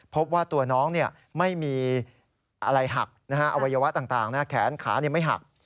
พบว่าตัวน้องไม่มีอะไรหักอวัยวะต่างแขนขาไม่หัก